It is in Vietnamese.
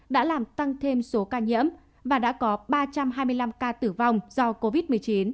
đã làm tăng thêm số ca nhiễm và đã có ba trăm hai mươi năm ca tử vong do covid một mươi chín